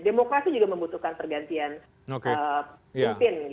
demokrasi juga membutuhkan pergantian pemimpin